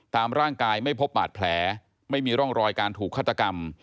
ตามร่างกายไม่พบบาดแผลไม่มีร่องรอยการถูกฆาตกรรม